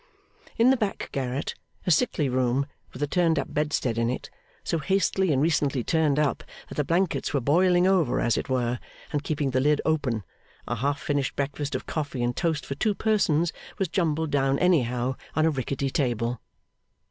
In the back garret a sickly room, with a turn up bedstead in it, so hastily and recently turned up that the blankets were boiling over, as it were, and keeping the lid open a half finished breakfast of coffee and toast for two persons was jumbled down anyhow on a rickety table.